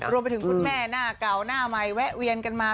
รวมไปถึงคุณแม่หน้าเก่าหน้าใหม่แวะเวียนกันมา